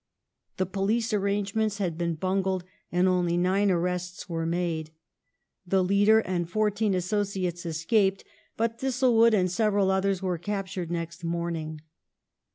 The police arrangements had been bungled and only nine arrests were made ; the leader and fourteen associates escaped ; but Thistlewood and several others were captured next morning.